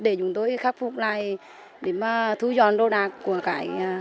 để chúng tôi khắc phục lại để mà thu dọn đồ đạc của cái